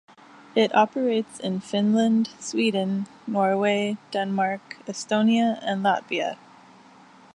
It operates in Finland, Sweden, Norway, Denmark, Estonia and Latvia.